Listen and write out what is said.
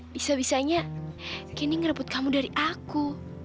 bisa bisanya kini ngerebut kamu dari aku